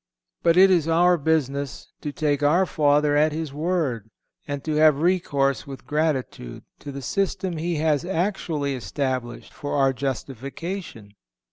But it is our business to take our Father at His word, and to have recourse with gratitude to the system He has actually established for our justification.